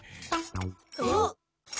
あっ。